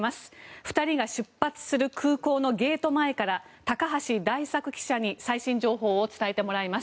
２人が出発する空港のゲート前から高橋大作記者に最新情報を伝えてもらいます。